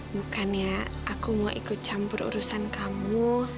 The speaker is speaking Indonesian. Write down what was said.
bukan ya aku mau ikut campur urusan kamu